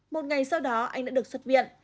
một ngày sau đó anh đã được xuất viện